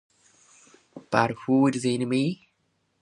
But who is the enemy?